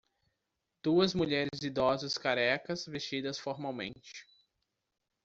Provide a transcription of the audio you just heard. Duas mulheres idosas carecas vestidas formalmente